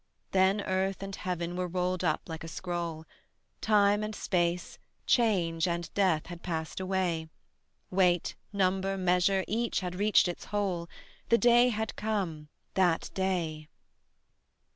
Then earth and heaven were rolled up like a scroll; Time and space, change and death, had passed away; Weight, number, measure, each had reached its whole: The day had come, that day.